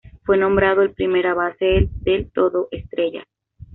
Fue nombrado el primera base del todo estrellas.